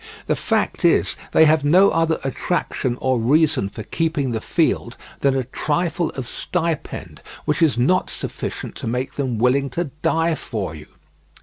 The fact is, they have no other attraction or reason for keeping the field than a trifle of stipend, which is not sufficient to make them willing to die for you.